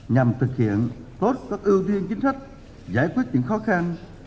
nhằm thực hiện tốt các ưu tiên chính sách giải quyết những khó khăn